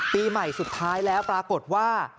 ปีใหม่สุดท้ายแล้วปรากฏว่า